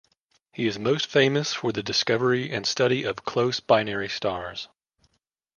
He is most famous for the discovery and study of close binary stars.